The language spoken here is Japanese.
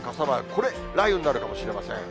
これ、雷雨になるかもしれません。